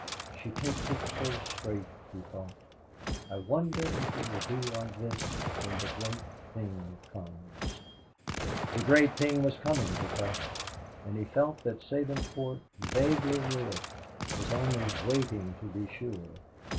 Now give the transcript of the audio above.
"She takes it so straight," he thought. "I wonder if it will be like this when the great thing comes." The great thing was coming, he felt, and he felt that Sabinsport vaguely knew it was only waiting to be sure.